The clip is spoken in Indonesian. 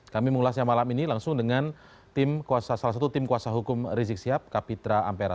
kami mengulasnya malam ini langsung dengan salah satu tim kuasa hukum rizik sihab kapitra ampera